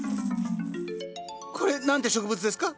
これ何て植物ですか？